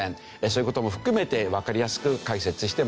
そういう事も含めてわかりやすく解説して参ります。